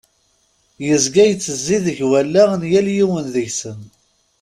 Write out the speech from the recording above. Yezga yettezzi deg wallaɣ n yal yiwen deg-sen.